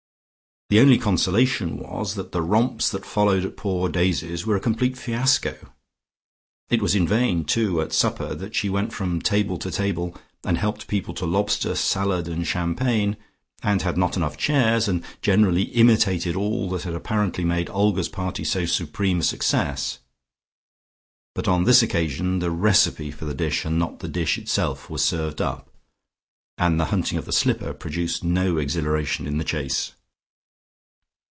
The only consolation was that the romps that followed at poor Daisy's were a complete fiasco. It was in vain, too, at supper, that she went from table to table, and helped people to lobster salad and champagne, and had not enough chairs, and generally imitated all that had apparently made Olga's party so supreme a success. But on this occasion the recipe for the dish and not the dish itself was served up, and the hunting of the slipper produced no exhilaration in the chase....